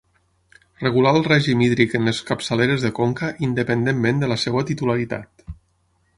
Regular el règim hídric en les capçaleres de conca independentment de la seva titularitat.